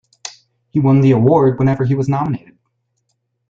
He won the Award whenever he was nominated.